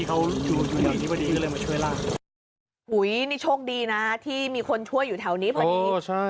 โอปุ้ยนี่ช่วงดีนะที่มีคนช่วยอยู่เเต่านี้พอดี